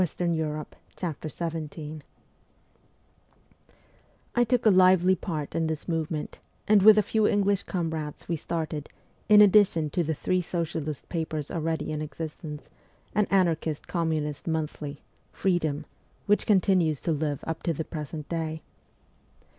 XVII I TOOK a lively part in this movement, and with a few English comrades we started, in addition to the three socialist papers already in existence, an anarchist communist monthly, ' Freedom,' which continues to live up to the present day.